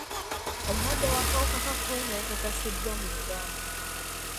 Omulwadde w'akawuka ka kolona yakakasiddwa mu Uganda.